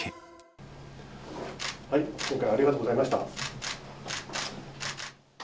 今回はありがとうございました。